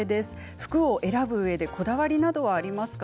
服を選ぶうえでこだわりなどはありますか？